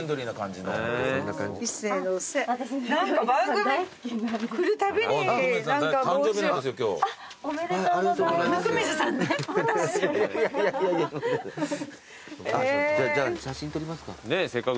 じゃあ写真撮りますか。